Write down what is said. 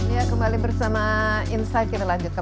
ya kembali bersama insight kita lanjutkan